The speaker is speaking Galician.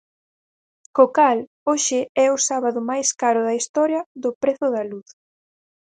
Co cal hoxe é o sábado máis caro da historia do prezo da luz.